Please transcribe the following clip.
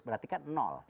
berarti kan